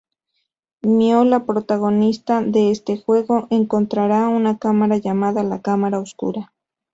Mio, la protagonista de este juego, encontrará una cámara llamada la cámara oscura.